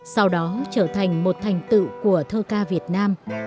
sau đó trở thành một thành tựu của thơ ca việt nam